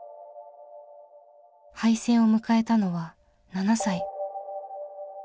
敗戦を迎えたのは７歳。